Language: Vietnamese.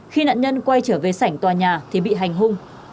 khi nạn nhân quay trở về sảnh tòa nhà thì bị hành hung